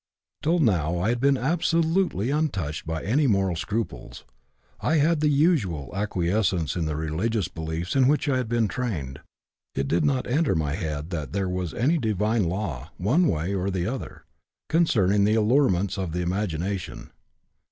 "Till now I had been absolutely untouched by any moral scruples. I had the usual acquiescence in the religious beliefs in which I had been trained; it did not enter my head that there was any divine law, one way or the other, concerning the allurements of the imagination.